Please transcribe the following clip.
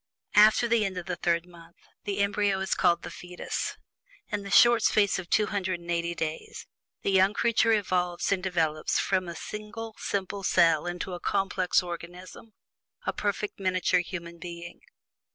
After the end of the third month the embryo is called "the fetus." In the short space of 280 days the young creature evolves and develops from a single simple cell into a complex organism a perfect miniature human being.